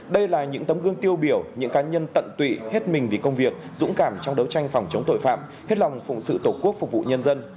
đây là những tấm gương tiêu biểu những cá nhân tận tụy hết mình vì công việc dũng cảm trong đấu tranh phòng chống tội phạm hết lòng phụng sự tổ quốc phục vụ nhân dân